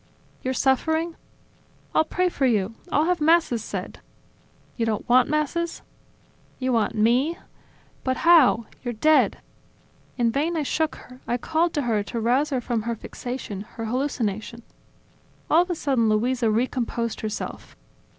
You're suffering? I'll pray for you, I'll have Masses said ... You don't want Masses? ... You want me? ... But how? You're dead! ..." In vain I shook her, I called to her to rouse her from her fixation, her hallucination ... All of a sudden Luisa recomposed herself.